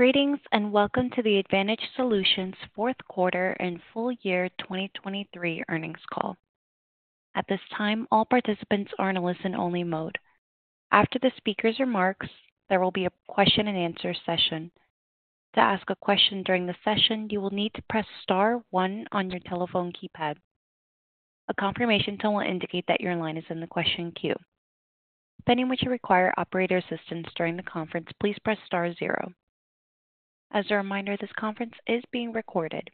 Greetings, and welcome to the Advantage Solutions fourth quarter and full year 2023 earnings call. At this time, all participants are in a listen-only mode. After the speaker's remarks, there will be a question and answer session. To ask a question during the session, you will need to press star one on your telephone keypad. A confirmation tone will indicate that your line is in the question queue. Depending what you require, operator assistance during the conference, please press star zero. As a reminder, this conference is being recorded.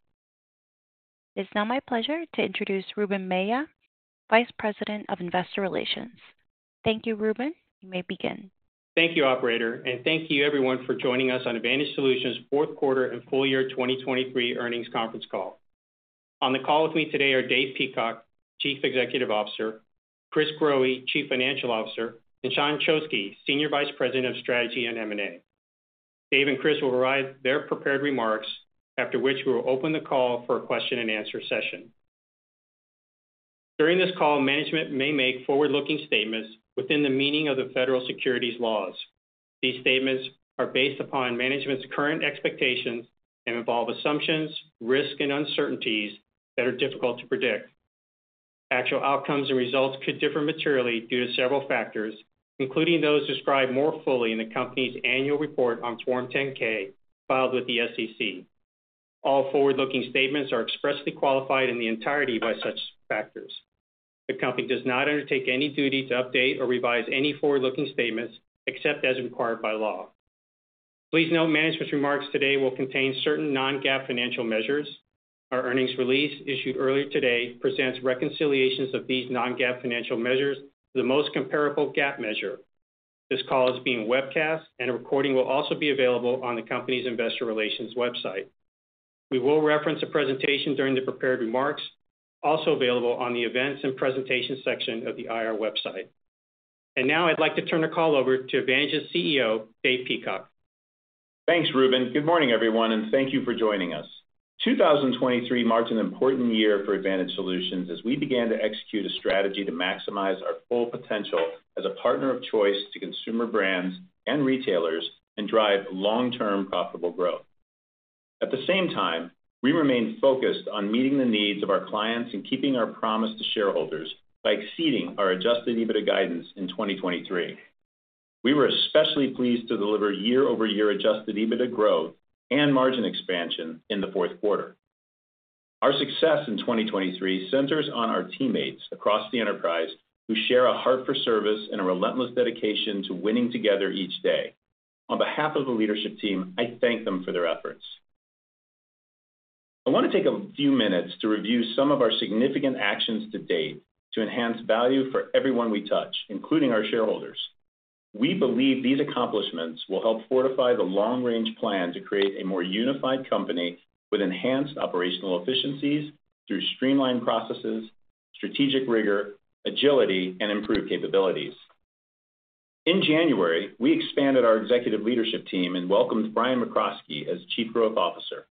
It's now my pleasure to introduce Ruben Mella, Vice President of Investor Relations. Thank you, Ruben. You may begin. Thank you, operator, and thank you everyone for joining us on Advantage Solutions fourth quarter and full year 2023 earnings conference call. On the call with me today are Dave Peacock, Chief Executive Officer, Chris Growe, Chief Financial Officer, and Sean Choksi, Senior Vice President of Strategy and M&A. Dave and Chris will provide their prepared remarks, after which we will open the call for a question and answer session. During this call, management may make forward-looking statements within the meaning of the federal securities laws. These statements are based upon management's current expectations and involve assumptions, risk, and uncertainties that are difficult to predict. Actual outcomes and results could differ materially due to several factors, including those described more fully in the company's annual report on Form 10-K, filed with the SEC. All forward-looking statements are expressly qualified in the entirety by such factors. The company does not undertake any duty to update or revise any forward-looking statements, except as required by law. Please note, management's remarks today will contain certain non-GAAP financial measures. Our earnings release, issued earlier today, presents reconciliations of these non-GAAP financial measures to the most comparable GAAP measure. This call is being webcast, and a recording will also be available on the company's investor relations website. We will reference a presentation during the prepared remarks, also available on the Events and Presentation section of the IR website. Now I'd like to turn the call over to Advantage's Chief Executive Officer, Dave Peacock. Thanks, Ruben. Good morning, everyone, and thank you for joining us. 2023 marked an important year for Advantage Solutions as we began to execute a strategy to maximize our full potential as a partner of choice to consumer brands and retailers and drive long-term profitable growth. At the same time, we remained focused on meeting the needs of our clients and keeping our promise to shareholders by exceeding our Adjusted EBITDA guidance in 2023. We were especially pleased to deliver year-over-year Adjusted EBITDA growth and margin expansion in the fourth quarter. Our success in 2023 centers on our teammates across the enterprise, who share a heart for service and a relentless dedication to winning together each day. On behalf of the leadership team, I thank them for their efforts. I want to take a few minutes to review some of our significant actions to date to enhance value for everyone we touch, including our shareholders. We believe these accomplishments will help fortify the long-range plan to create a more unified company with enhanced operational efficiencies through streamlined processes, strategic rigor, agility, and improved capabilities. In January, we expanded our executive leadership team and welcomed Jack McRoskey as Chief Growth Officer.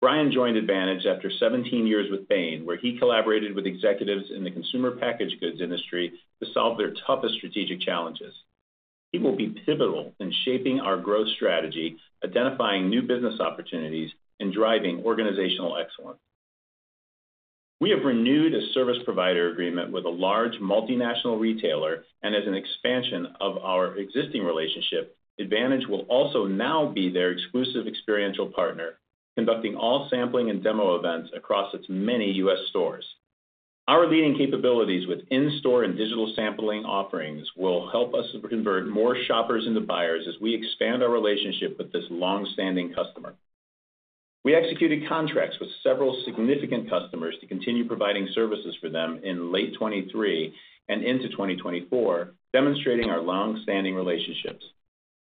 Brian joined Advantage after 17 years with Bain, where he collaborated with executives in the consumer packaged goods industry to solve their toughest strategic challenges. He will be pivotal in shaping our growth strategy, identifying new business opportunities, and driving organizational excellence. We have renewed a service provider agreement with a large multinational retailer, and as an expansion of our existing relationship, Advantage will also now be their exclusive experiential partner, conducting all sampling and demo events across its many U.S. stores. Our leading capabilities with in-store and digital sampling offerings will help us convert more shoppers into buyers as we expand our relationship with this long-standing customer. We executed contracts with several significant customers to continue providing services for them in late 2023 and into 2024, demonstrating our long-standing relationships.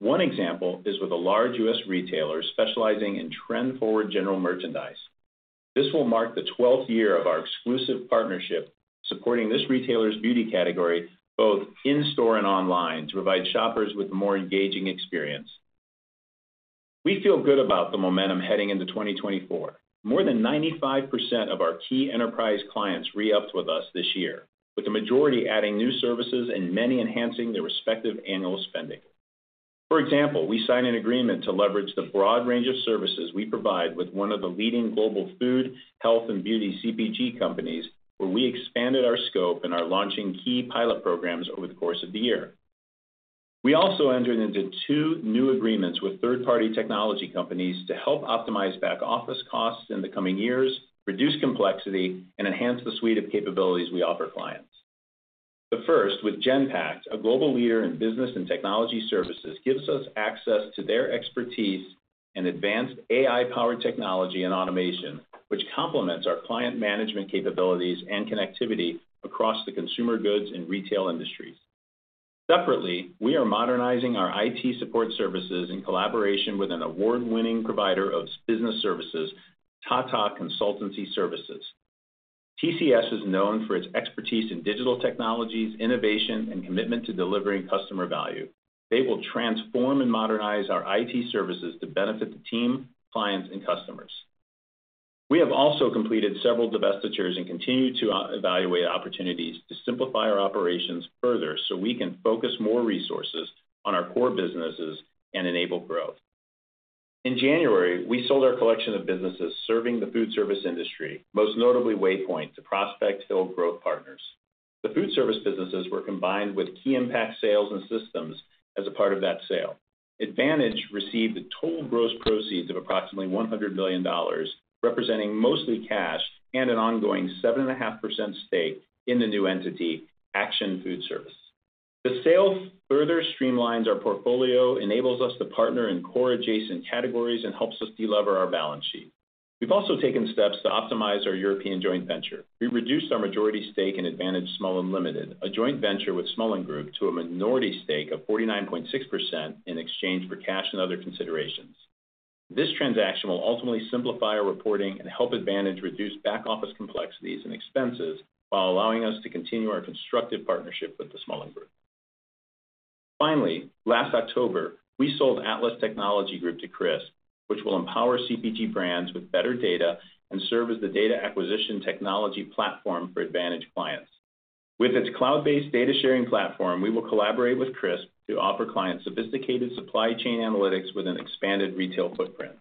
One example is with a large U.S. retailer specializing in trend-forward general merchandise. This will mark the twelfth year of our exclusive partnership, supporting this retailer's beauty category, both in-store and online, to provide shoppers with a more engaging experience. We feel good about the momentum heading into 2024. More than 95% of our key enterprise clients re-upped with us this year, with the majority adding new services and many enhancing their respective annual spending. For example, we signed an agreement to leverage the broad range of services we provide with one of the leading global food, health, and beauty CPG companies, where we expanded our scope and are launching key pilot programs over the course of the year. We also entered into two new agreements with third-party technology companies to help optimize back-office costs in the coming years, reduce complexity, and enhance the suite of capabilities we offer clients. The first, with Genpact, a global leader in business and technology services, gives us access to their expertise in advanced AI-powered technology and automation, which complements our client management capabilities and connectivity across the consumer goods and retail industries. Separately, we are modernizing our IT support services in collaboration with an award-winning provider of business services, Tata Consultancy Services. TCS is known for its expertise in digital technologies, innovation, and commitment to delivering customer value. They will transform and modernize our IT services to benefit the team, clients, and customers.... We have also completed several divestitures and continue to evaluate opportunities to simplify our operations further, so we can focus more resources on our core businesses and enable growth. In January, we sold our collection of businesses serving the food service industry, most notably Waypoint, to Prospect Hill Growth Partners. The food service businesses were combined with KeyImpact Sales & Systems as a part of that sale. Advantage received the total gross proceeds of approximately $100 million, representing mostly cash and an ongoing 7.5% stake in the new entity, Acxion Foodservice. The sale further streamlines our portfolio, enables us to partner in core adjacent categories, and helps us de-lever our balance sheet. We've also taken steps to optimize our European joint venture. We reduced our majority stake in Advantage Smollan Limited, a joint venture with Smollan Group, to a minority stake of 49.6% in exchange for cash and other considerations. This transaction will ultimately simplify our reporting and help Advantage reduce back office complexities and expenses, while allowing us to continue our constructive partnership with the Smollan Group. Finally, last October, we sold Atlas Technology Group to Crisp, which will empower CPG brands with better data and serve as the data acquisition technology platform for Advantage clients. With its cloud-based data sharing platform, we will collaborate with Crisp to offer clients sophisticated supply chain analytics with an expanded retail footprint.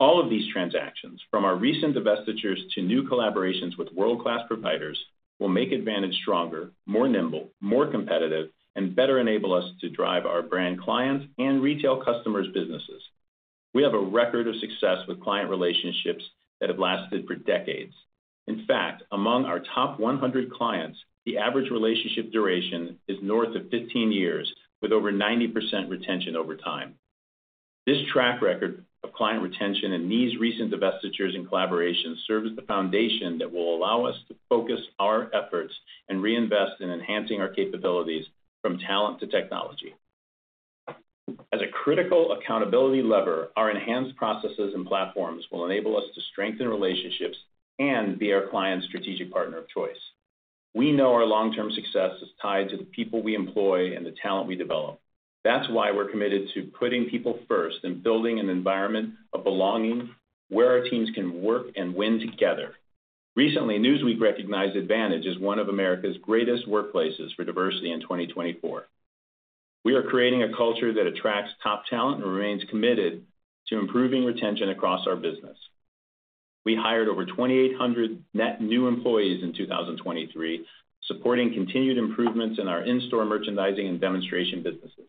All of these transactions, from our recent divestitures to new collaborations with world-class providers, will make Advantage stronger, more nimble, more competitive, and better enable us to drive our brand clients and retail customers' businesses. We have a record of success with client relationships that have lasted for decades. In fact, among our top 100 clients, the average relationship duration is north of 15 years, with over 90% retention over time. This track record of client retention and these recent divestitures and collaborations serve as the foundation that will allow us to focus our efforts and reinvest in enhancing our capabilities from talent to technology. As a critical accountability lever, our enhanced processes and platforms will enable us to strengthen relationships and be our clients' strategic partner of choice. We know our long-term success is tied to the people we employ and the talent we develop. That's why we're committed to putting people first and building an environment of belonging, where our teams can work and win together. Recently, Newsweek recognized Advantage as one of America's greatest workplaces for diversity in 2024. We are creating a culture that attracts top talent and remains committed to improving retention across our business. We hired over 2,800 net new employees in 2023, supporting continued improvements in our in-store merchandising and demonstration businesses.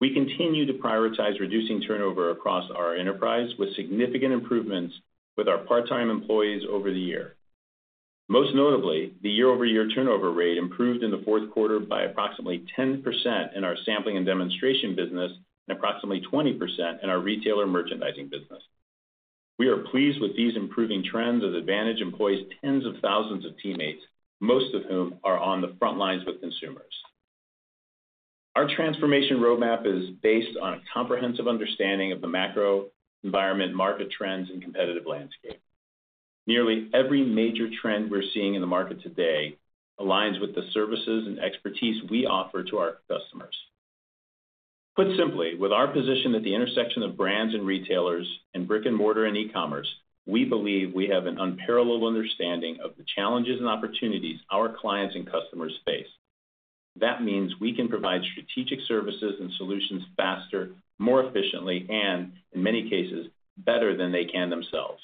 We continue to prioritize reducing turnover across our enterprise, with significant improvements with our part-time employees over the year. Most notably, the year-over-year turnover rate improved in the fourth quarter by approximately 10% in our sampling and demonstration business, and approximately 20% in our retailer merchandising business. We are pleased with these improving trends as Advantage employs tens of thousands of teammates, most of whom are on the front lines with consumers. Our transformation roadmap is based on a comprehensive understanding of the macro environment, market trends, and competitive landscape. Nearly every major trend we're seeing in the market today aligns with the services and expertise we offer to our customers. Put simply, with our position at the intersection of brands and retailers, and brick-and-mortar and e-commerce, we believe we have an unparalleled understanding of the challenges and opportunities our clients and customers face. That means we can provide strategic services and solutions faster, more efficiently, and in many cases, better than they can themselves.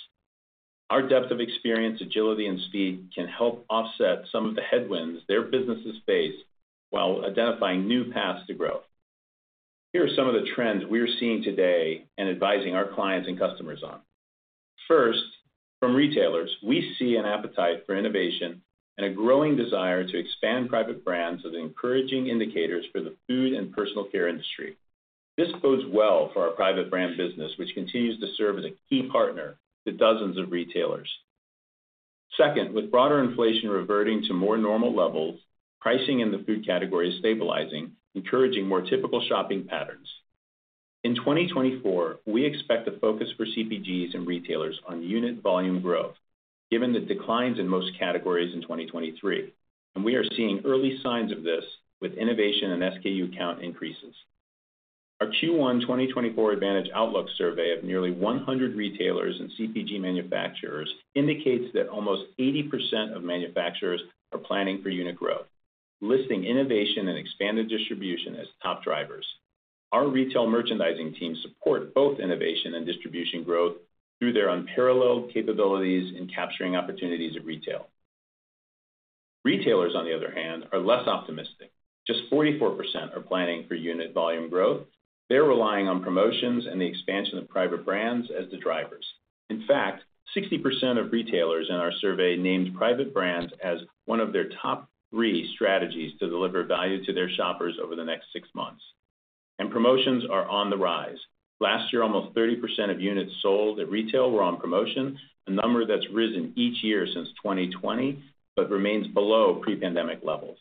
Our depth of experience, agility, and speed can help offset some of the headwinds their businesses face, while identifying new paths to growth. Here are some of the trends we are seeing today and advising our clients and customers on. First, from retailers, we see an appetite for innovation and a growing desire to expand private brands as encouraging indicators for the food and personal care industry. This bodes well for our private brand business, which continues to serve as a key partner to dozens of retailers. Second, with broader inflation reverting to more normal levels, pricing in the food category is stabilizing, encouraging more typical shopping patterns. In 2024, we expect a focus for CPGs and retailers on unit volume growth, given the declines in most categories in 2023, and we are seeing early signs of this with innovation and SKU count increases. Our Q1 2024 Advantage Outlook Survey of nearly 100 retailers and CPG manufacturers indicates that almost 80% of manufacturers are planning for unit growth, listing innovation and expanded distribution as top drivers. Our retail merchandising teams support both innovation and distribution growth through their unparalleled capabilities in capturing opportunities at retail. Retailers, on the other hand, are less optimistic. Just 44% are planning for unit volume growth. They're relying on promotions and the expansion of private brands as the drivers. In fact, 60% of retailers in our survey named private brands as one of their top three strategies to deliver value to their shoppers over the next six months. Promotions are on the rise. Last year, almost 30% of units sold at retail were on promotion, a number that's risen each year since 2020, but remains below pre-pandemic levels.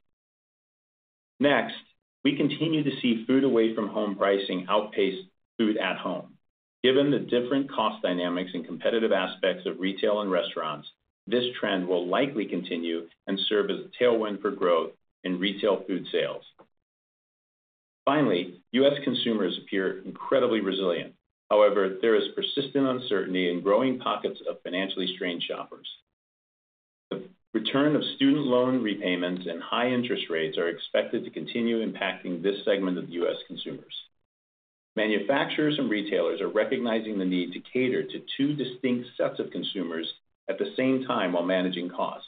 Next, we continue to see food away from home pricing outpace food at home. Given the different cost dynamics and competitive aspects of retail and restaurants, this trend will likely continue and serve as a tailwind for growth in retail food sales. Finally, U.S. consumers appear incredibly resilient. However, there is persistent uncertainty in growing pockets of financially strained shoppers. The return of student loan repayments and high interest rates are expected to continue impacting this segment of U.S. consumers. Manufacturers and retailers are recognizing the need to cater to two distinct sets of consumers at the same time, while managing costs.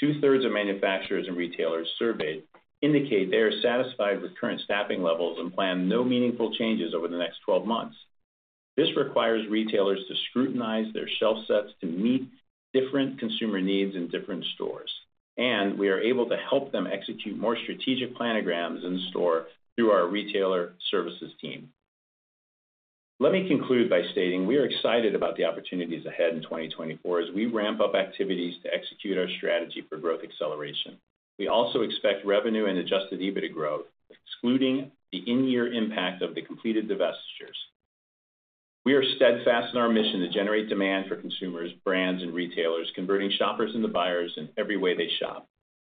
Two-thirds of manufacturers and retailers surveyed indicate they are satisfied with current staffing levels and plan no meaningful changes over the next 12 months. This requires retailers to scrutinize their shelf sets to meet different consumer needs in different stores, and we are able to help them execute more strategic planograms in store through our Retailer Services team. Let me conclude by stating we are excited about the opportunities ahead in 2024 as we ramp up activities to execute our strategy for growth acceleration. We also expect revenue and Adjusted EBITDA growth, excluding the in-year impact of the completed divestitures. We are steadfast in our mission to generate demand for consumers, brands, and retailers, converting shoppers into buyers in every way they shop.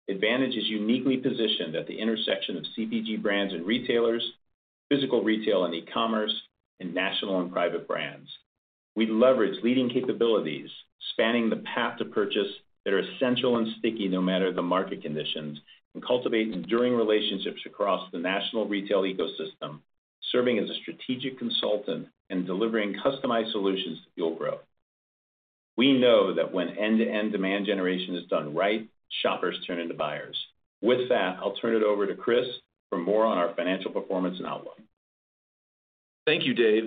Advantage is uniquely positioned at the intersection of CPG brands and retailers, physical retail and e-commerce, and national and private brands. We leverage leading capabilities, spanning the path to purchase that are essential and sticky, no matter the market conditions, and cultivate enduring relationships across the national retail ecosystem, serving as a strategic consultant and delivering customized solutions to fuel growth. We know that when end-to-end demand generation is done right, shoppers turn into buyers. With that, I'll turn it over to Chris for more on our financial performance and outlook. Thank you, Dave.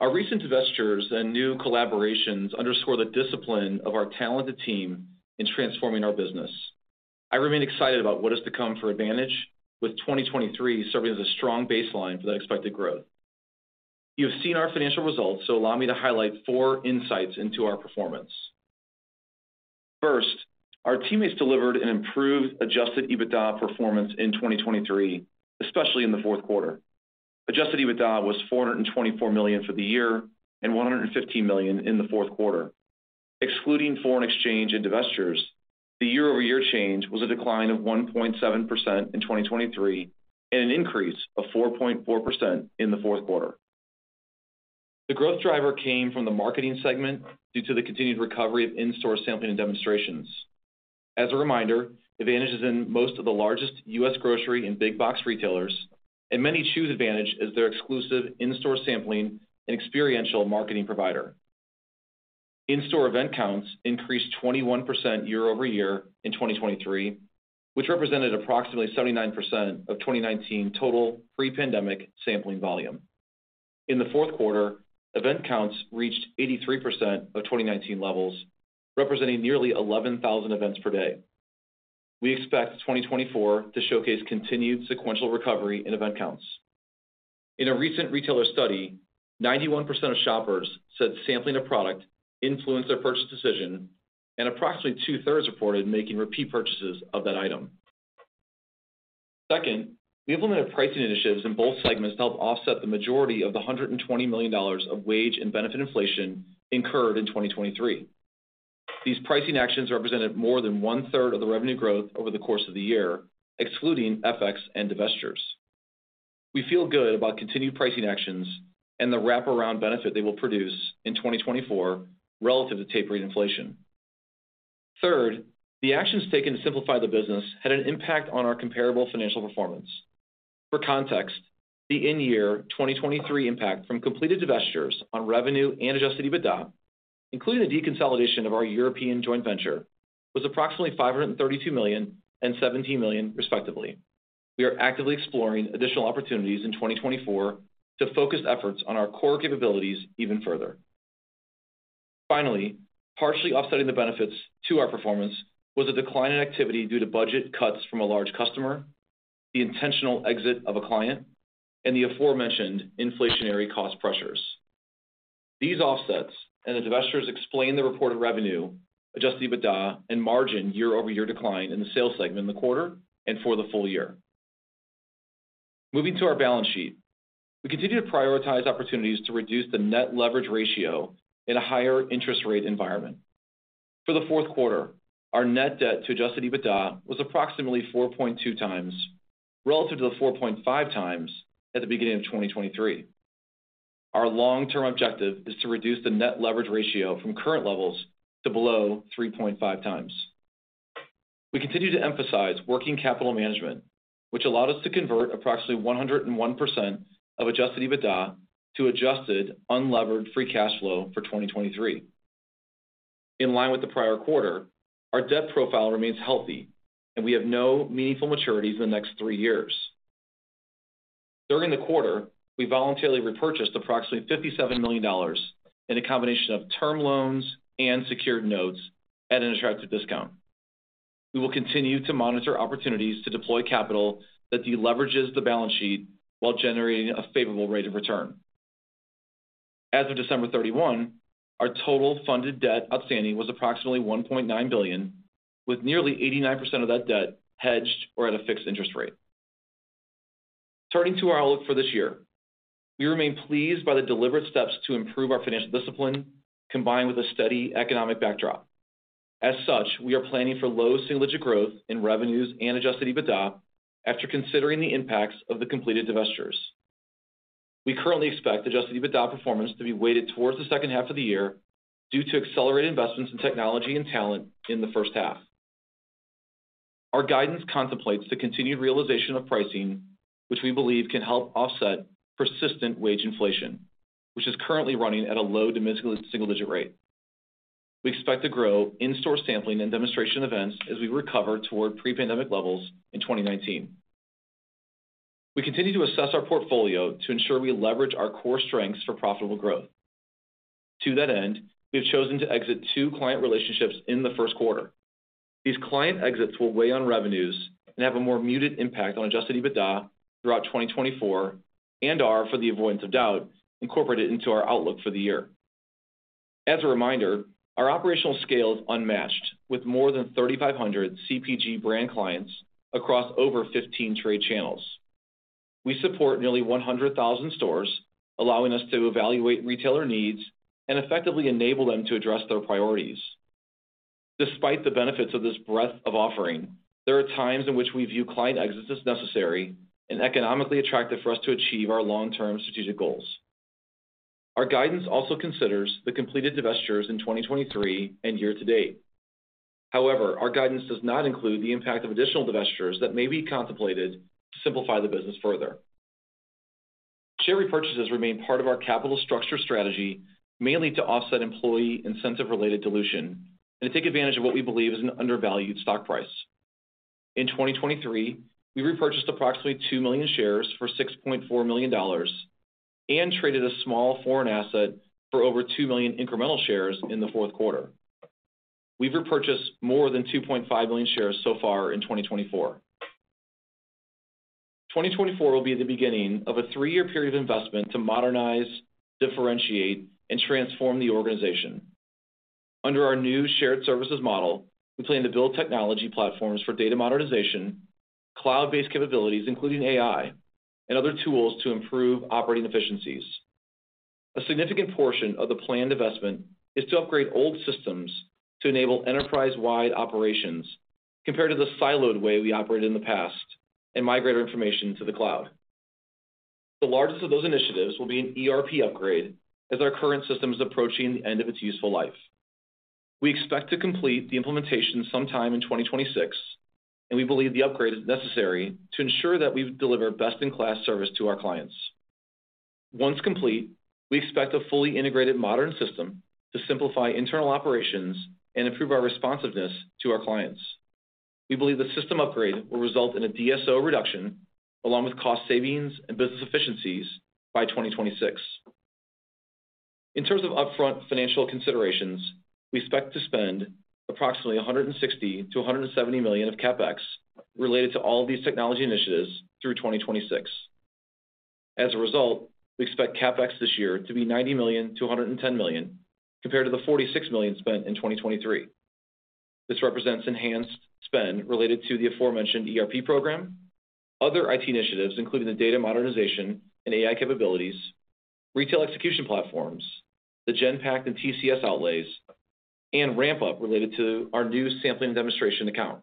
Our recent investors and new collaborations underscore the discipline of our talented team in transforming our business. I remain excited about what is to come for Advantage, with 2023 serving as a strong baseline for that expected growth. You have seen our financial results, so allow me to highlight four insights into our performance. First, our teammates delivered an improved adjusted EBITDA performance in 2023, especially in the fourth quarter. Adjusted EBITDA was $424 million for the year and $115 million in the fourth quarter. Excluding foreign exchange and divestitures, the year-over-year change was a decline of 1.7% in 2023, and an increase of 4.4% in the fourth quarter. The growth driver came from the marketing segment due to the continued recovery of in-store sampling and demonstrations. As a reminder, Advantage is in most of the largest U.S. grocery and big box retailers, and many choose Advantage as their exclusive in-store sampling and experiential marketing provider. In-store event counts increased 21% year-over-year in 2023, which represented approximately 79% of 2019 total pre-pandemic sampling volume. In the fourth quarter, event counts reached 83% of 2019 levels, representing nearly 11,000 events per day. We expect 2024 to showcase continued sequential recovery in event counts. In a recent retailer study, 91% of shoppers said sampling a product influenced their purchase decision, and approximately two-thirds reported making repeat purchases of that item. Second, we implemented pricing initiatives in both segments to help offset the majority of the $120 million of wage and benefit inflation incurred in 2023. These pricing actions represented more than one-third of the revenue growth over the course of the year, excluding FX and divestitures. We feel good about continued pricing actions and the wraparound benefit they will produce in 2024 relative to tapering inflation. Third, the actions taken to simplify the business had an impact on our comparable financial performance. For context, the in-year 2023 impact from completed divestitures on revenue and adjusted EBITDA, including the deconsolidation of our European joint venture, was approximately $532 million and $17 million, respectively. We are actively exploring additional opportunities in 2024 to focus efforts on our core capabilities even further. Finally, partially offsetting the benefits to our performance was a decline in activity due to budget cuts from a large customer, the intentional exit of a client, and the aforementioned inflationary cost pressures. These offsets and the divestitures explain the reported revenue, adjusted EBITDA and margin year-over-year decline in the sales segment in the quarter and for the full year. Moving to our balance sheet. We continue to prioritize opportunities to reduce the net leverage ratio at a higher interest rate environment. For the fourth quarter, our net debt to adjusted EBITDA was approximately 4.2 times relative to the 4.5 times at the beginning of 2023. Our long-term objective is to reduce the net leverage ratio from current levels to below 3.5 times. We continue to emphasize working capital management, which allowed us to convert approximately 101% of adjusted EBITDA to adjusted unlevered free cash flow for 2023. In line with the prior quarter, our debt profile remains healthy, and we have no meaningful maturities in the next three years. During the quarter, we voluntarily repurchased approximately $57 million in a combination of term loans and secured notes at an attractive discount. We will continue to monitor opportunities to deploy capital that de-leverages the balance sheet while generating a favorable rate of return. As of December 31, our total funded debt outstanding was approximately $1.9 billion, with nearly 89% of that debt hedged or at a fixed interest rate. Turning to our outlook for this year. We remain pleased by the deliberate steps to improve our financial discipline, combined with a steady economic backdrop.... As such, we are planning for low single-digit growth in revenues and adjusted EBITDA after considering the impacts of the completed divestitures. We currently expect adjusted EBITDA performance to be weighted towards the second half of the year due to accelerated investments in technology and talent in the first half. Our guidance contemplates the continued realization of pricing, which we believe can help offset persistent wage inflation, which is currently running at a low- to mid-single-digit rate. We expect to grow in-store sampling and demonstration events as we recover toward pre-pandemic levels in 2019. We continue to assess our portfolio to ensure we leverage our core strengths for profitable growth. To that end, we have chosen to exit two client relationships in the first quarter. These client exits will weigh on revenues and have a more muted impact on Adjusted EBITDA throughout 2024 and are, for the avoidance of doubt, incorporated into our outlook for the year. As a reminder, our operational scale is unmatched, with more than 3,500 CPG brand clients across over 15 trade channels. We support nearly 100,000 stores, allowing us to evaluate retailer needs and effectively enable them to address their priorities. Despite the benefits of this breadth of offering, there are times in which we view client exits as necessary and economically attractive for us to achieve our long-term strategic goals. Our guidance also considers the completed divestitures in 2023 and year to date. However, our guidance does not include the impact of additional divestitures that may be contemplated to simplify the business further. Share repurchases remain part of our capital structure strategy, mainly to offset employee incentive-related dilution and to take advantage of what we believe is an undervalued stock price. In 2023, we repurchased approximately 3.2 million shares for $6.4 million and traded a small foreign asset for over 2 million incremental shares in the fourth quarter. We've repurchased more than 2.5 million shares so far in 2024. 2024 will be the beginning of a 3-year period of investment to modernize, differentiate, and transform the organization. Under our new shared services model, we plan to build technology platforms for data modernization, cloud-based capabilities, including AI, and other tools to improve operating efficiencies. A significant portion of the planned investment is to upgrade old systems to enable enterprise-wide operations compared to the siloed way we operated in the past and migrate our information to the cloud. The largest of those initiatives will be an ERP upgrade, as our current system is approaching the end of its useful life. We expect to complete the implementation sometime in 2026, and we believe the upgrade is necessary to ensure that we deliver best-in-class service to our clients. Once complete, we expect a fully integrated modern system to simplify internal operations and improve our responsiveness to our clients. We believe the system upgrade will result in a DSO reduction, along with cost savings and business efficiencies by 2026. In terms of upfront financial considerations, we expect to spend approximately $160 million-$170 million of CapEx related to all these technology initiatives through 2026. As a result, we expect CapEx this year to be $90 million-$110 million, compared to the $46 million spent in 2023. This represents enhanced spend related to the aforementioned ERP program, other IT initiatives, including the data modernization and AI capabilities, retail execution platforms, the Genpact and TCS outlays, and ramp-up related to our new sampling demonstration account.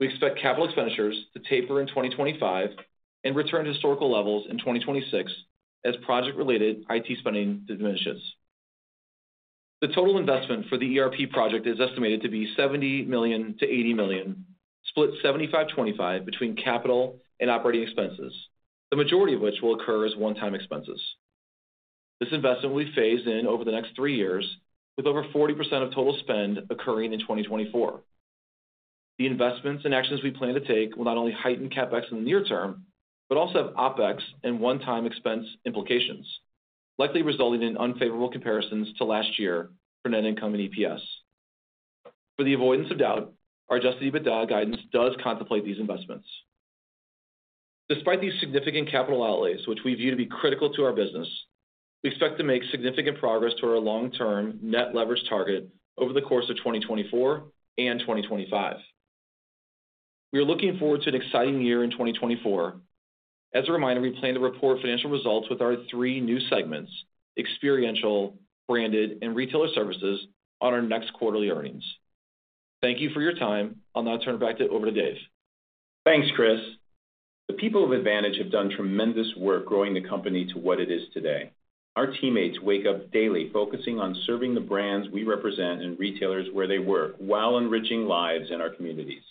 We expect capital expenditures to taper in 2025 and return to historical levels in 2026 as project-related IT spending diminishes. The total investment for the ERP project is estimated to be $70 million-$80 million, split 75/25 between capital and operating expenses, the majority of which will occur as one-time expenses. This investment will be phased in over the next three years, with over 40% of total spend occurring in 2024. The investments and actions we plan to take will not only heighten CapEx in the near term, but also have OpEx and one-time expense implications, likely resulting in unfavorable comparisons to last year for net income and EPS. For the avoidance of doubt, our adjusted EBITDA guidance does contemplate these investments. Despite these significant capital outlays, which we view to be critical to our business, we expect to make significant progress to our long-term net leverage target over the course of 2024 and 2025. We are looking forward to an exciting year in 2024. As a reminder, we plan to report financial results with our three new segments, Experiential, Branded, and Retailer Services, on our next quarterly earnings. Thank you for your time. I'll now turn it over to Dave. Thanks, Chris. The people of Advantage have done tremendous work growing the company to what it is today. Our teammates wake up daily, focusing on serving the brands we represent and retailers where they work, while enriching lives in our communities.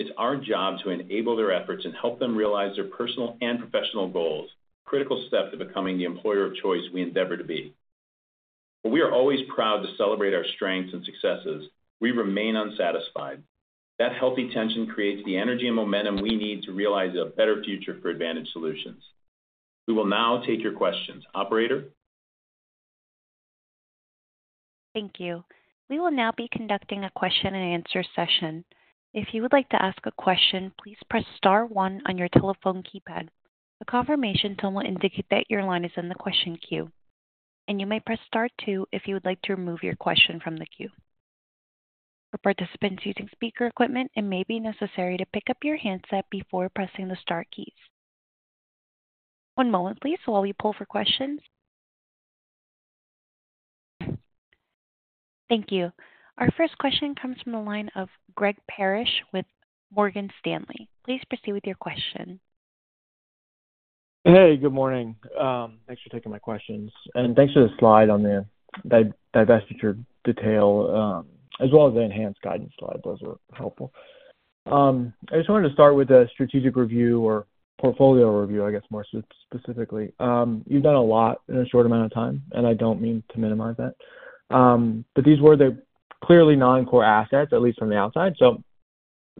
It's our job to enable their efforts and help them realize their personal and professional goals, critical steps to becoming the employer of choice we endeavor to be. We are always proud to celebrate our strengths and successes. We remain unsatisfied. That healthy tension creates the energy and momentum we need to realize a better future for Advantage Solutions. We will now take your questions. Operator? Thank you. We will now be conducting a question and answer session. If you would like to ask a question, please press star one on your telephone keypad. A confirmation tone will indicate that your line is in the question queue, and you may press star two if you would like to remove your question from the queue. For participants using speaker equipment, it may be necessary to pick up your handset before pressing the star keys. One moment, please, while we pull for questions. Thank you. Our first question comes from the line of Greg Parrish with Morgan Stanley. Please proceed with your question. Hey, good morning. Thanks for taking my questions, and thanks for the slide on the divestiture detail, as well as the enhanced guidance slide. Those were helpful. I just wanted to start with the strategic review or portfolio review, I guess, more specifically. You've done a lot in a short amount of time, and I don't mean to minimize that. But these were the clearly non-core assets, at least from the outside. So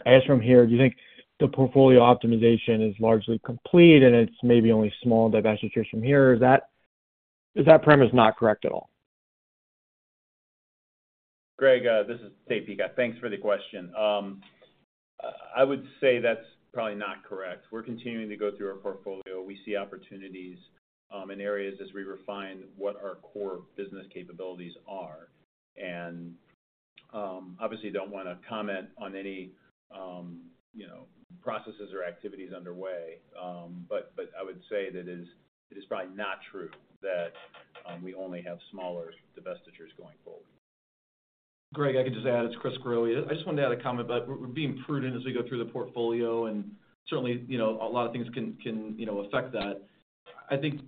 I guess from here, do you think the portfolio optimization is largely complete, and it's maybe only small divestitures from here? Is that, is that premise not correct at all? Greg, this is Dave Peacock. Thanks for the question. I would say that's probably not correct. We're continuing to go through our portfolio. We see opportunities in areas as we refine what our core business capabilities are. And obviously, don't wanna comment on any, you know, processes or activities underway. But I would say that it's, it is probably not true that we only have smaller divestitures going forward. Greg, I could just add, it's Chris Growe. I just wanted to add a comment about we're being prudent as we go through the portfolio, and certainly, you know, a lot of things can, you know, affect that. I think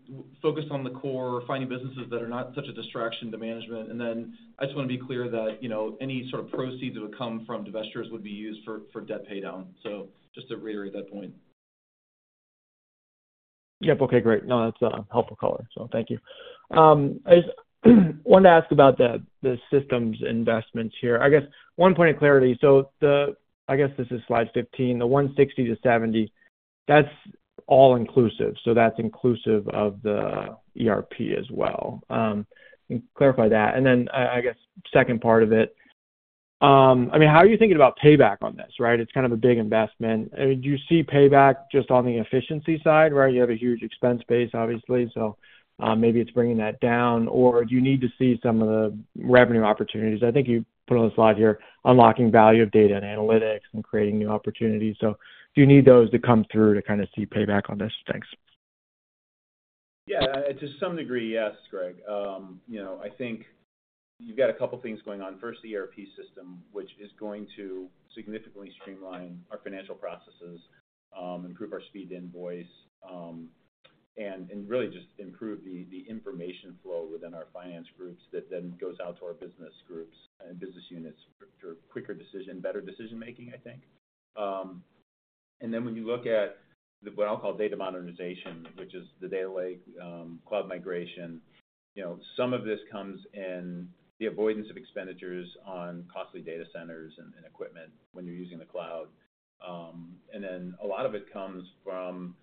focused on the core, finding businesses that are not such a distraction to management, and then I just wanna be clear that, you know, any sort of proceeds that would come from divestitures would be used for debt paydown. So just to reiterate that point. Yep. Okay, great. No, that's a helpful color, so thank you. I just wanted to ask about the systems investments here. I guess one point of clarity. So the—I guess this is slide 15, the 160-170, that's all inclusive, so that's inclusive of the ERP as well. Clarify that, and then, I guess second part of it, I mean, how are you thinking about payback on this, right? It's kind of a big investment. I mean, do you see payback just on the efficiency side, right? You have a huge expense base, obviously, so, maybe it's bringing that down, or do you need to see some of the revenue opportunities? I think you put on the slide here, unlocking value of data and analytics and creating new opportunities. Do you need those to come through to kind of see payback on this? Thanks. Yeah, to some degree, yes, Greg. You know, I think you've got a couple things going on. First, the ERP system, which is going to significantly streamline our financial processes, improve our speed to invoice, and, and really just improve the, the information flow within our finance groups that then goes out to our business groups and business units for quicker decision, better decision-making, I think. And then when you look at the, what I'll call data modernization, which is the data lake, cloud migration, you know, some of this comes in the avoidance of expenditures on costly data centers and, and equipment when you're using the cloud. And then a lot of it comes from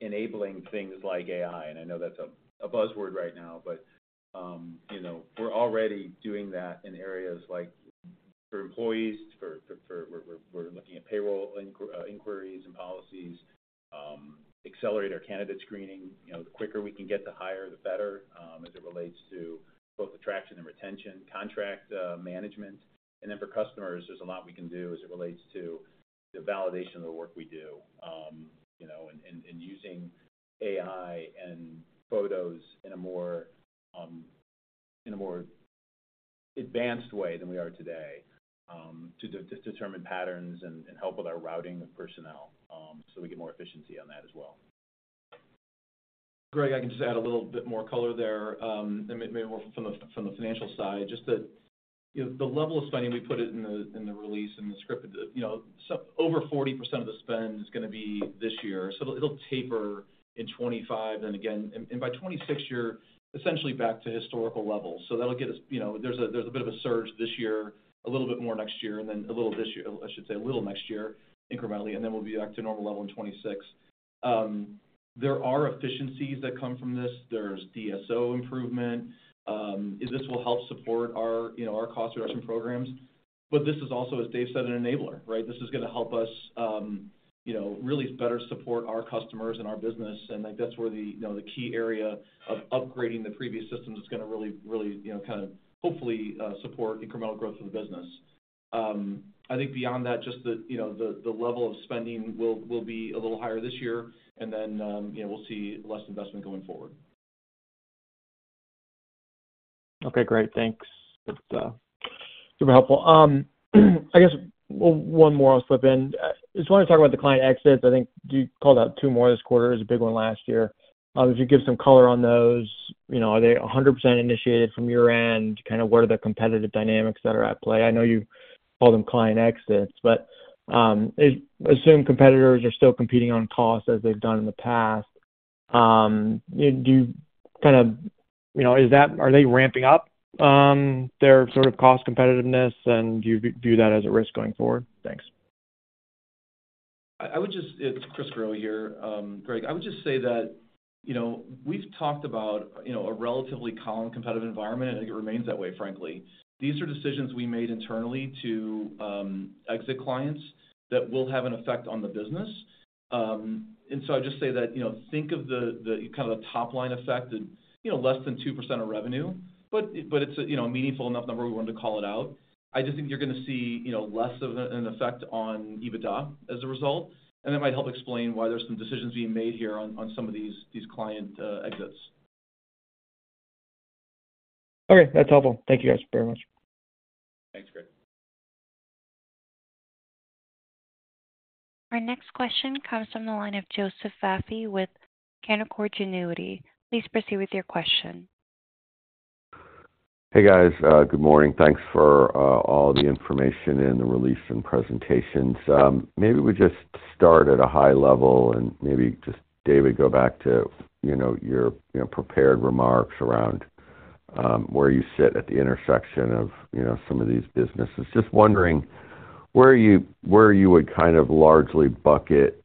enabling things like AI, and I know that's a buzzword right now, but, you know, we're already doing that in areas like for employees, we're looking at payroll inquiries and policies, accelerate our candidate screening. You know, the quicker we can get the hire, the better, as it relates to both attraction and retention, contract management. And then for customers, there's a lot we can do as it relates to the validation of the work we do, you know, and using AI and photos in a more advanced way than we are today, to determine patterns and help with our routing of personnel, so we get more efficiency on that as well. Greg, I can just add a little bit more color there, and maybe more from the financial side, just that, you know, the level of spending, we put it in the release and the script. You know, so over 40% of the spend is gonna be this year, so it'll taper in 2025, then again... And by 2026, you're essentially back to historical levels. So that'll get us, you know, there's a bit of a surge this year, a little bit more next year, and then a little this year, I should say a little next year, incrementally, and then we'll be back to normal level in 2026. There are efficiencies that come from this. There's DSO improvement, and this will help support our, you know, our cost reduction programs. But this is also, as Dave said, an enabler, right? This is gonna help us, you know, really better support our customers and our business, and I think that's where the, you know, the key area of upgrading the previous systems is gonna really, really, you know, kind of hopefully, support incremental growth of the business. I think beyond that, just the, you know, the, the level of spending will, will be a little higher this year, and then, you know, we'll see less investment going forward. Okay, great. Thanks. That's super helpful. I guess one more I'll slip in. I just wanted to talk about the client exits. I think you called out two more this quarter, is a big one last year. If you give some color on those, you know, are they 100% initiated from your end? Kind of what are the competitive dynamics that are at play? I know you call them client exits, but I assume competitors are still competing on cost as they've done in the past. Do you kind of, you know, are they ramping up their sort of cost competitiveness, and do you view that as a risk going forward? Thanks. It's Chris Growe here. Greg, I would just say that, you know, we've talked about, you know, a relatively calm, competitive environment, and it remains that way, frankly. These are decisions we made internally to exit clients that will have an effect on the business. And so I'd just say that, you know, think of the kind of top-line effect and, you know, less than 2% of revenue, but it's a, you know, meaningful enough number, we wanted to call it out. I just think you're gonna see, you know, less of an effect on EBITDA as a result, and that might help explain why there's some decisions being made here on some of these client exits. Okay, that's helpful. Thank you guys very much. Thanks, Chris. Our next question comes from the line of Joseph Vafi with Canaccord Genuity. Please proceed with your question. Hey, guys. Good morning. Thanks for all the information in the release and presentations. Maybe we just start at a high level and maybe just, David, go back to, you know, your prepared remarks around where you sit at the intersection of, you know, some of these businesses. Just wondering where you would kind of largely bucket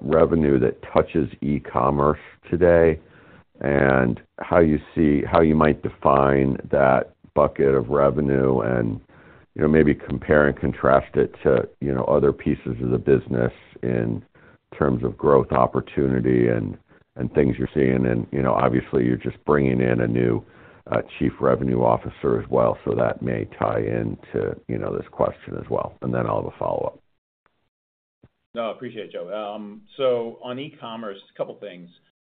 revenue that touches e-commerce today and how you see how you might define that bucket of revenue and, you know, maybe compare and contrast it to, you know, other pieces of the business in terms of growth, opportunity, and things you're seeing. And, you know, obviously, you're just bringing in a new chief revenue officer as well, so that may tie into, you know, this question as well, and then I'll have a follow-up. No, I appreciate it, Joe. So on e-commerce, a couple things.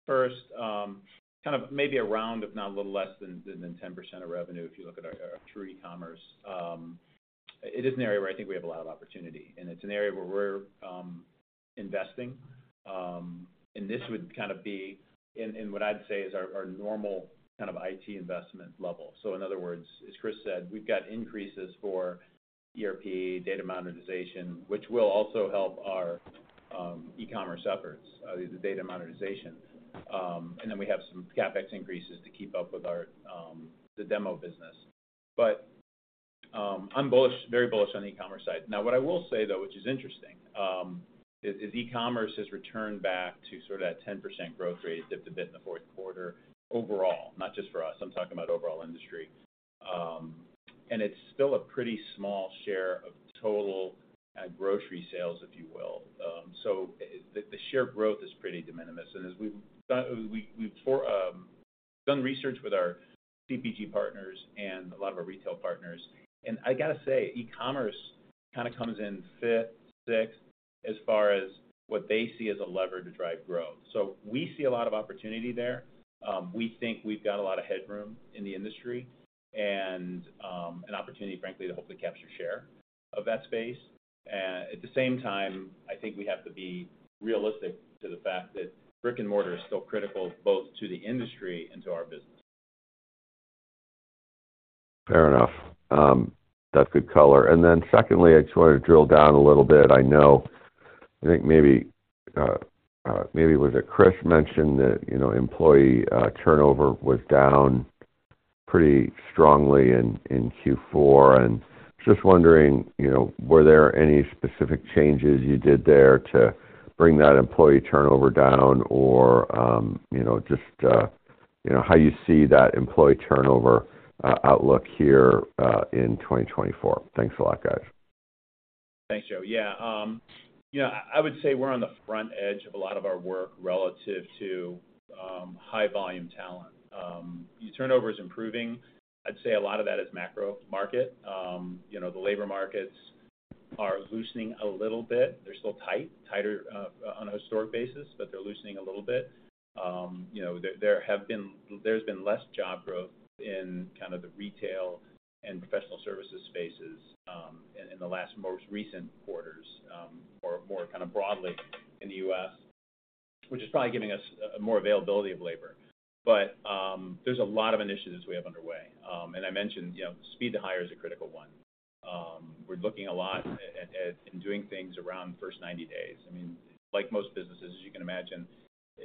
First, kind of maybe around, if not a little less than, 10% of revenue, if you look at our true e-commerce. It is an area where I think we have a lot of opportunity, and it's an area where we're investing. And this would kind of be in what I'd say is our normal kind of IT investment level. So in other words, as Chris said, we've got increases for ERP, data monetization, which will also help our e-commerce efforts, the data monetization. And then we have some CapEx increases to keep up with our the demo business. But, I'm bullish, very bullish on the e-commerce side. Now, what I will say, though, which is interesting, is e-commerce has returned back to sort of that 10% growth rate, dipped a bit in the fourth quarter overall, not just for us. I'm talking about overall industry. And it's still a pretty small share of total grocery sales, if you will. So the share growth is pretty de minimis. And as we've done, we've done research with our CPG partners and a lot of our retail partners, and I got to say, e-commerce kind of comes in fifth, sixth, as far as what they see as a lever to drive growth. So we see a lot of opportunity there. We think we've got a lot of headroom in the industry and an opportunity, frankly, to hopefully capture share of that space. At the same time, I think we have to be realistic to the fact that brick-and-mortar is still critical, both to the industry and to our business. Fair enough. That's good color. And then secondly, I just want to drill down a little bit. I know, I think maybe, maybe was it Chris mentioned that, you know, employee turnover was down pretty strongly in Q4. And just wondering, you know, were there any specific changes you did there to bring that employee turnover down or, you know, just, you know, how you see that employee turnover outlook here in 2024? Thanks a lot, guys. Thanks, Joe. Yeah, you know, I would say we're on the front edge of a lot of our work relative to high volume talent. Turnover is improving. I'd say a lot of that is macro market. You know, the labor markets are loosening a little bit. They're still tight, tighter on a historic basis, but they're loosening a little bit. You know, there's been less job growth in kind of the retail and professional services spaces in the last most recent quarters or more kind of broadly in the U.S., which is probably giving us more availability of labor. But there's a lot of initiatives we have underway. And I mentioned, you know, speed to hire is a critical one. We're looking a lot at in doing things around the first 90 days. I mean, like most businesses, as you can imagine,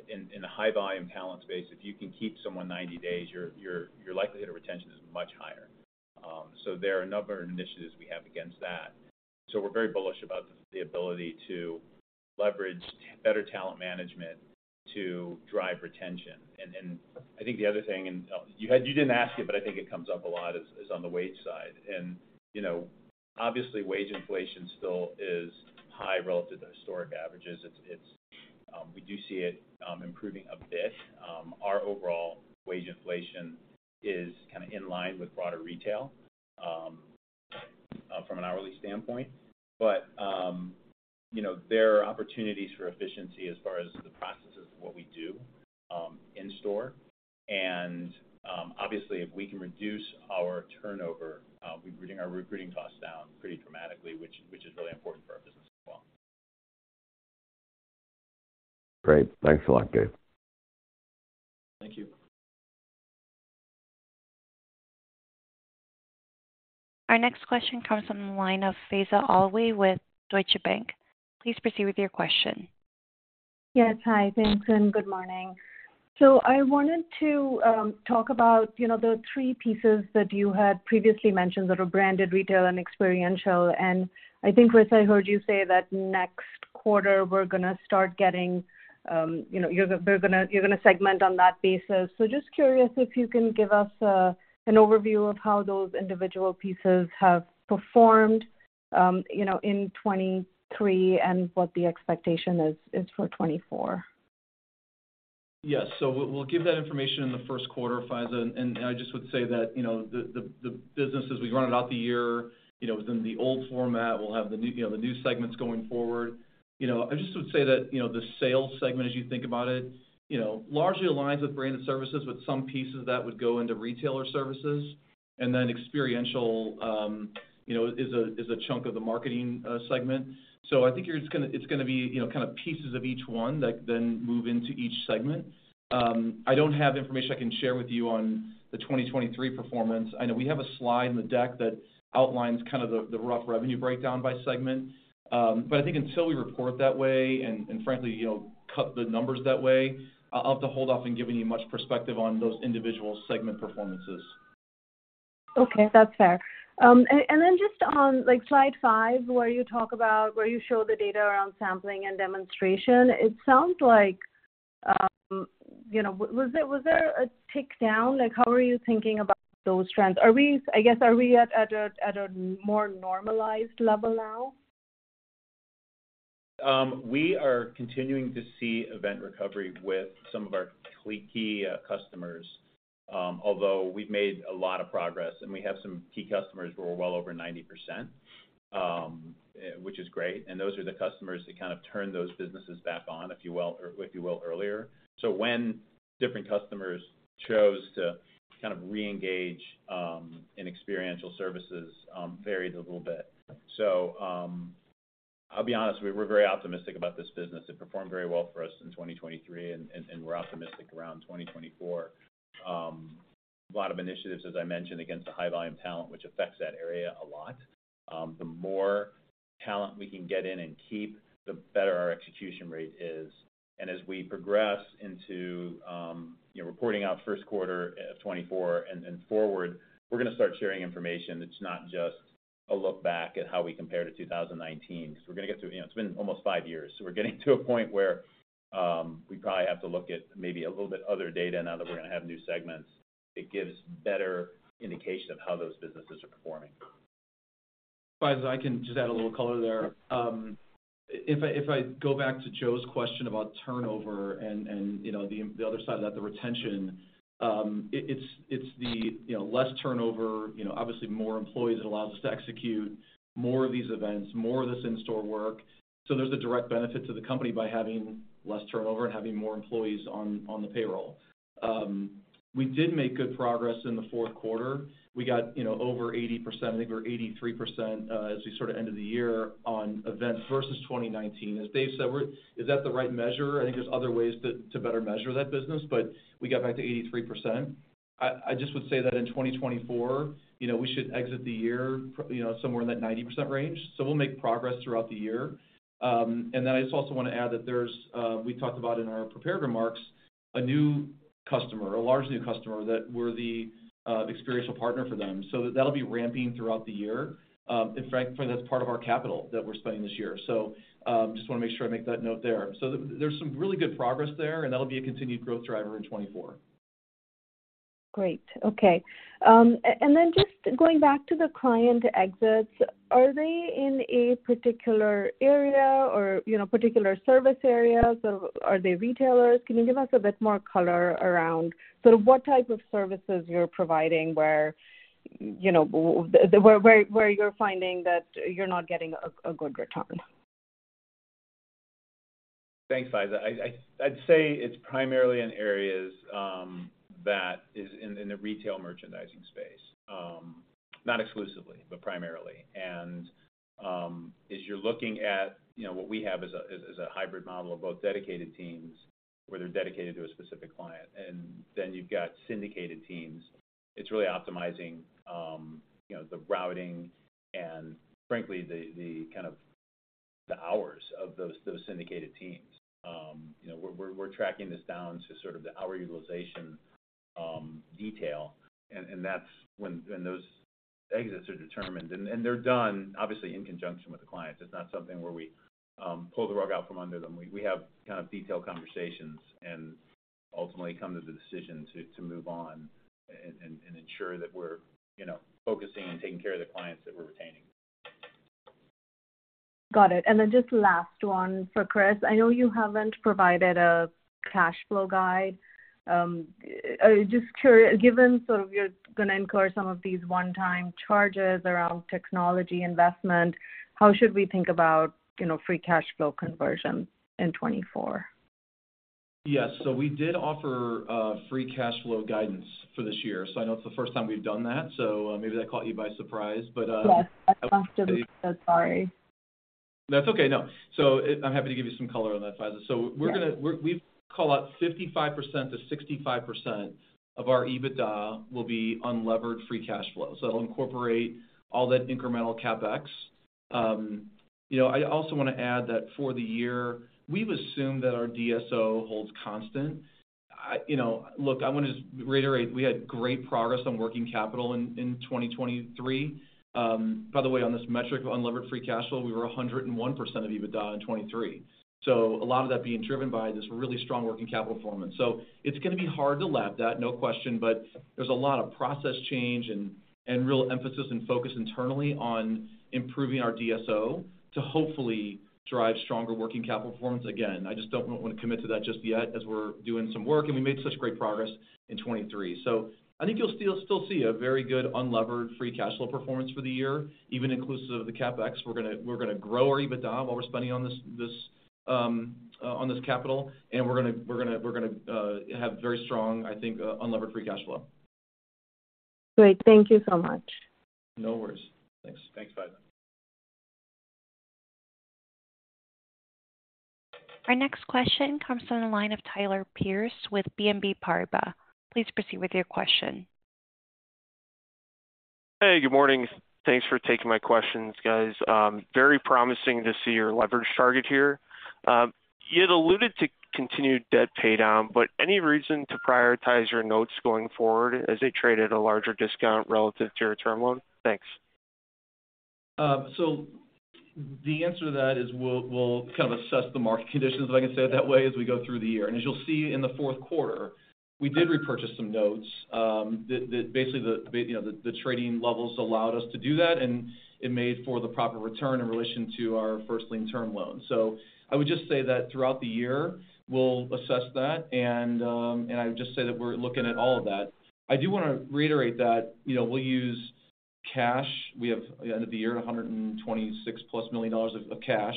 in a high volume talent space, if you can keep someone 90 days, your likelihood of retention is much higher. So there are a number of initiatives we have against that. So we're very bullish about the ability to leverage better talent management to drive retention. And I think the other thing, you didn't ask it, but I think it comes up a lot, is on the wage side. And, you know, obviously, wage inflation still is high relative to historic averages. It's We do see it improving a bit. Our overall wage inflation is kind of in line with broader retail from an hourly standpoint. You know, there are opportunities for efficiency as far as the processes of what we do, in store. Obviously, if we can reduce our turnover, we're bringing our recruiting costs down pretty dramatically, which is really important for our business as well. Great. Thanks a lot, Dave. Thank you. Our next question comes from the line of Faiza Alwi with Deutsche Bank. Please proceed with your question. Yes, hi. Thanks, and good morning. So I wanted to talk about, you know, the three pieces that you had previously mentioned that are branded retail and experiential, and I think, Chris, I heard you say that next quarter we're gonna start getting, you know, you're, we're gonna-- you're gonna segment on that basis. So just curious if you can give us an overview of how those individual pieces have performed, you know, in 2023 and what the expectation is for 2024. Yes, so we'll give that information in the first quarter, Faiza. And I just would say that, you know, the business as we run it out the year, you know, within the old format, we'll have the new, you know, the new segments going forward. You know, I just would say that, you know, the sales segment, as you think about it, you know, largely aligns with Branded Services, but some pieces of that would go into Retailer Services. And then experiential, you know, is a chunk of the marketing segment. So I think you're just gonna—it's gonna be, you know, kind of pieces of each one that then move into each segment. I don't have information I can share with you on the 2023 performance. I know we have a slide in the deck that outlines kind of the rough revenue breakdown by segment. But I think until we report that way, and frankly, you know, cut the numbers that way, I'll have to hold off in giving you much perspective on those individual segment performances. Okay, that's fair. And then just on, like, slide five, where you show the data around sampling and demonstration, it sounds like, you know... Was there, was there a tick down? Like, how are you thinking about those trends? Are we—I guess, are we at a more normalized level now? We are continuing to see event recovery with some of our key customers. Although we've made a lot of progress, and we have some key customers who are well over 90%, which is great, and those are the customers that kind of turn those businesses back on, if you will, or if you will, earlier. So when different customers chose to kind of reengage in Experiential Services, varied a little bit. So, I'll be honest, we're very optimistic about this business. It performed very well for us in 2023, and we're optimistic around 2024. A lot of initiatives, as I mentioned, against the high-volume talent, which affects that area a lot. The more talent we can get in and keep, the better our execution rate is. And as we progress into, you know, reporting out first quarter of 2024 and forward, we're gonna start sharing information that's not just a look back at how we compare to 2019. 'Cause we're gonna get to... You know, it's been almost 5 years, so we're getting to a point where, we probably have to look at maybe a little bit other data now that we're gonna have new segments. It gives better indication of how those businesses are performing. Faiza, I can just add a little color there. If I go back to Joe's question about turnover and you know, the other side of that, the retention, it's the, you know, less turnover, you know, obviously, more employees. It allows us to execute more of these events, more of this in-store work. So there's a direct benefit to the company by having less turnover and having more employees on the payroll. We did make good progress in the fourth quarter. We got, you know, over 80%, I think we were 83%, as we sort of ended the year on events versus 2019. As Dave said, we're, is that the right measure? I think there's other ways to better measure that business, but we got back to 83%. I just would say that in 2024, you know, we should exit the year, you know, somewhere in that 90% range. So we'll make progress throughout the year. And then I just also wanna add that there's, we talked about in our prepared remarks, a new customer, a large new customer, that we're the, experiential partner for them. So that'll be ramping throughout the year. In fact, that's part of our capital that we're spending this year. So, just wanna make sure I make that note there. So there's some really good progress there, and that'll be a continued growth driver in 2024. Great, okay. And then just going back to the client exits, are they in a particular area or, you know, particular service areas, or are they retailers? Can you give us a bit more color around sort of what type of services you're providing where, you know, where you're finding that you're not getting a good return? Thanks, Faiza. I'd say it's primarily in areas that is in the retail merchandising space. Not exclusively, but primarily. As you're looking at, you know, what we have is a hybrid model of both dedicated teams, where they're dedicated to a specific client, and then you've got syndicated teams. It's really optimizing, you know, the routing and frankly, the kind of the hours of those syndicated teams. You know, we're tracking this down to sort of the hour utilization detail, and that's when those exits are determined. They're done, obviously, in conjunction with the clients. It's not something where we pull the rug out from under them. We have kind of detailed conversations and ultimately come to the decision to move on and ensure that we're, you know, focusing and taking care of the clients that we're retaining. Got it. And then just last one for Chris. I know you haven't provided a cash flow guide. Given sort of you're gonna incur some of these one-time charges around technology investment, how should we think about, you know, free cash flow conversion in 2024? Yes. So we did offer free cash flow guidance for this year. So I know it's the first time we've done that, so maybe that caught you by surprise. But- Yes, I must admit. So sorry. That's okay. No. So, I'm happy to give you some color on that, Faiza. Yes. So we're gonna call out 55%-65% of our EBITDA will be unlevered free cash flow. So it'll incorporate all that incremental CapEx. You know, I also wanna add that for the year, we've assumed that our DSO holds constant. I, you know, look, I want to just reiterate, we had great progress on working capital in 2023. By the way, on this metric, unlevered free cash flow, we were 101% of EBITDA in 2023. So a lot of that being driven by this really strong working capital performance. So it's gonna be hard to lap that, no question, but there's a lot of process change and real emphasis and focus internally on improving our DSO to hopefully drive stronger working capital performance. Again, I just don't want to commit to that just yet, as we're doing some work, and we made such great progress in 2023. So I think you'll still see a very good unlevered free cash flow performance for the year, even inclusive of the CapEx. We're gonna grow our EBITDA while we're spending on this capital, and we're gonna have very strong, I think, unlevered free cash flow. Great. Thank you so much. No worries. Thanks. Our next question comes from the line of Tyler Picks with BNP Paribas. Please proceed with your question. Hey, good morning. Thanks for taking my questions, guys. Very promising to see your leverage target here. You had alluded to continued debt paydown, but any reason to prioritize your notes going forward as they trade at a larger discount relative to your term loan? Thanks. So the answer to that is we'll kind of assess the market conditions, if I can say it that way, as we go through the year. And as you'll see in the fourth quarter, we did repurchase some notes. Basically, you know, the trading levels allowed us to do that, and it made for the proper return in relation to our first lien term loan. So I would just say that throughout the year, we'll assess that, and I would just say that we're looking at all of that. I do wanna reiterate that, you know, we'll use cash. We have, at the end of the year, $126+ million of cash.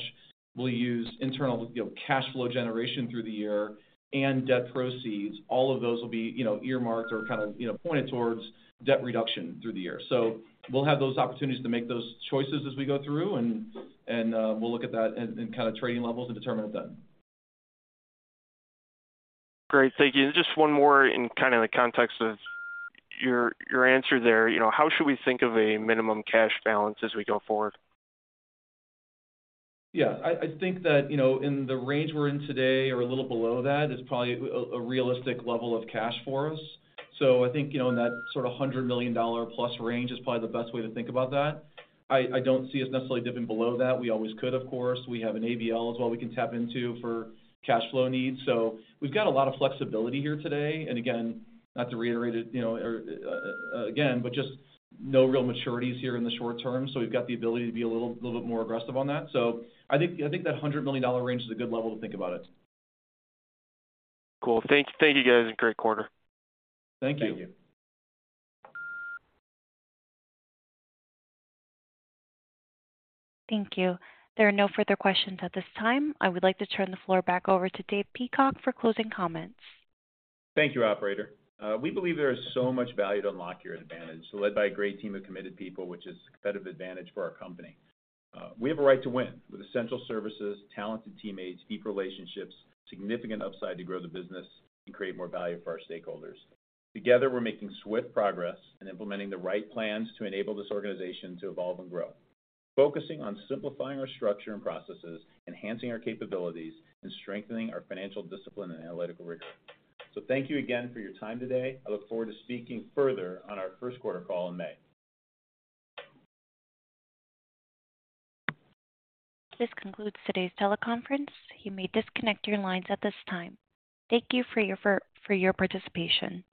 We'll use internal, you know, cash flow generation through the year and debt proceeds. All of those will be, you know, earmarked or kind of, you know, pointed towards debt reduction through the year. So we'll have those opportunities to make those choices as we go through, and we'll look at that and kind of trading levels and determine it then. Great. Thank you. Just one more in kind of the context of your answer there. You know, how should we think of a minimum cash balance as we go forward? Yeah. I think that, you know, in the range we're in today or a little below that is probably a realistic level of cash for us. So I think, you know, in that sort of $100 million plus range is probably the best way to think about that. I don't see us necessarily dipping below that. We always could, of course. We have an ABL as well, we can tap into for cash flow needs. So we've got a lot of flexibility here today, and again, not to reiterate it, you know, or again, but just no real maturities here in the short term, so we've got the ability to be a little bit more aggressive on that. So I think that $100 million range is a good level to think about it. Cool. Thank you, guys, and great quarter. Thank you. Thank you. There are no further questions at this time. I would like to turn the floor back over to Dave Peacock for closing comments. Thank you, operator. We believe there is so much value to unlock here at Advantage, led by a great team of committed people, which is a competitive advantage for our company. We have a right to win with essential services, talented teammates, deep relationships, significant upside to grow the business, and create more value for our stakeholders. Together, we're making swift progress and implementing the right plans to enable this organization to evolve and grow, focusing on simplifying our structure and processes, enhancing our capabilities, and strengthening our financial discipline and analytical rigor. Thank you again for your time today. I look forward to speaking further on our first quarter call in May. This concludes today's teleconference. You may disconnect your lines at this time. Thank you for your participation.